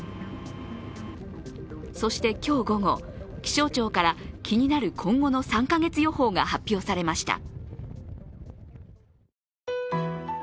そして今日午後、気象庁から気になる今後の３か月予報が発表されました。